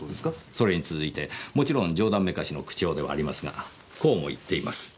それに続いてもちろん冗談めかしの口調ではありますがこうも言っています。